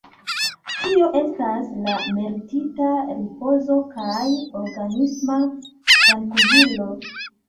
Tio estas la meritita ripozo kaj organisma trankvilo.